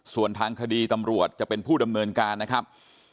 ส่วนทางคดีตำรวจจะเป็นผู้ดำเนินการนะครับ